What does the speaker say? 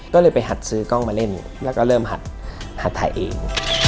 ก็เลยไปหัดซื้อกล้องมาเล่นแล้วก็เริ่มหัดถ่ายเอง